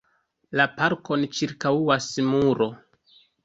La parkon ĉirkaŭas muro.